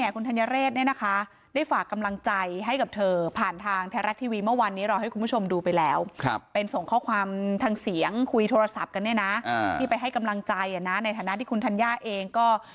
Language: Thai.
ก็ต้องรอในวันนัดศาลอีกครั้งหนึ่ง